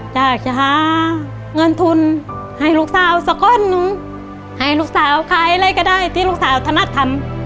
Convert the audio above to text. อยากจะหาเงินทุนให้ลูกสาวสักก้อนหนึ่งให้ลูกสาวขายอะไรก็ได้ที่ลูกสาวถนัดทำ